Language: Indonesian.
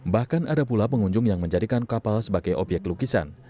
bahkan ada pula pengunjung yang menjadikan kapal sebagai obyek lukisan